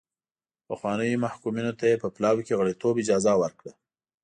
پخوانیو محکومینو ته یې په پلاوي کې غړیتوب اجازه ورکړه.